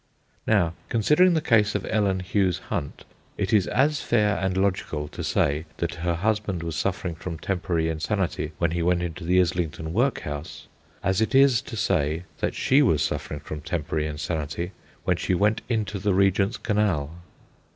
Now, considering the case of Ellen Hughes Hunt, it is as fair and logical to say that her husband was suffering from temporary insanity when he went into the Islington Workhouse, as it is to say that she was suffering from temporary insanity when she went into the Regent's Canal.